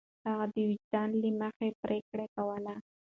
هغه د وجدان له مخې پرېکړې کولې.